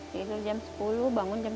tidur jam sepuluh bangun jam dua